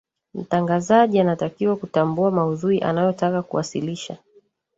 mtangazaji anatakiwa kutambua maudhui anayotaka kuwasilisha